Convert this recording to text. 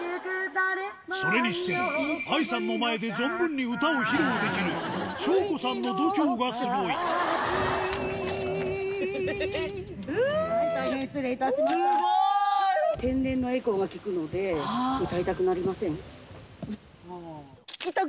それにしても、ＡＩさんの前で存分に歌を披露できるしょうこさんの度胸がすごい。大変失礼いたしました。